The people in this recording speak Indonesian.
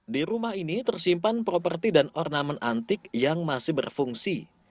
di rumah ini tersimpan properti dan ornamen antik yang masih berfungsi